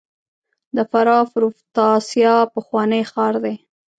د فراه پروفتاسیا پخوانی ښار دی